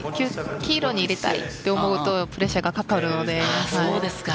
黄色に入れたいと思うとプレッシャーがかかるので。